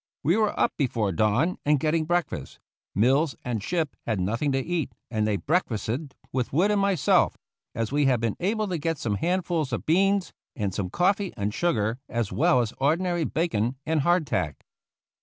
We were up before dawn and getting breakfast. Mills and Shipp had nothing to eat, and they breakfasted with Wood and myself, as we had been able to get some handfuls of beans, and some coffee and sugar, as well as the ordinary bacon and hardtack.